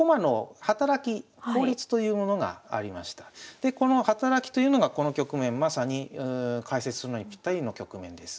でこの働きというのがこの局面まさに解説するのにぴったりの局面です。